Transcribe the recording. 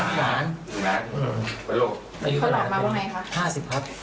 เขาหลอกมาว่าไงครับ๕๐ครับ